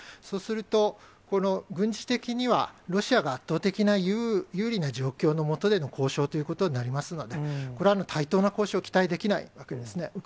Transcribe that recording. そうすると、この軍事的には、ロシアが圧倒的な有利な状況の下での交渉ということになりますので、これは対等な交渉は期待できないわけですね。